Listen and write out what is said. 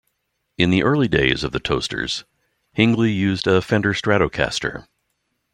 In the early days of The Toasters, Hingley also used a Fender Stratocaster.